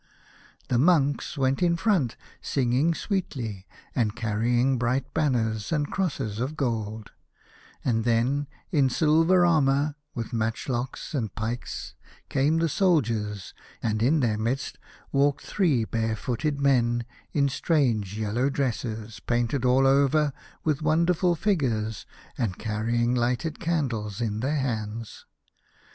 The monks went in front singing sweetly, and carrying bright banners and crosses of gold, and then, in silver armour, with match locks and pikes, came the soldiers, and in their midst walked three barefooted men, in strange yellow dresses painted all over with wonderful figures, and carrying lighted candles in their hands.